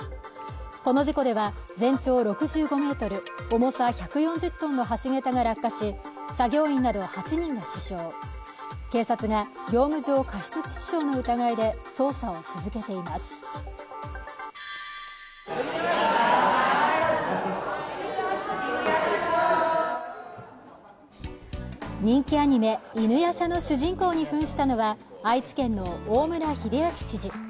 この事故では全長６５メートル重さは１４０トンの橋桁が落下し作業員など８人が死傷警察が業務上過失致死傷の疑いで捜査を続けています人気アニメ「犬夜叉」の主人公にふんしたのは愛知県の大村秀章知事